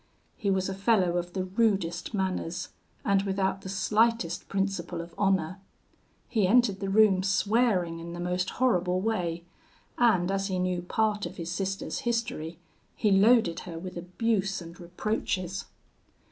He was a fellow of the rudest manners, and without the slightest principle of honour. He entered the room swearing in the most horrible way; and as he knew part of his sister's history, he loaded her with abuse and reproaches.